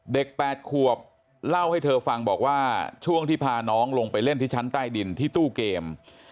๘ขวบเล่าให้เธอฟังบอกว่าช่วงที่พาน้องลงไปเล่นที่ชั้นใต้ดินที่ตู้เกม